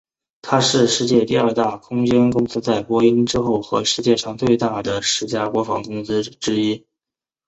它是世界第二大空间公司在波音以后和世界上最大的十家国防公司之一。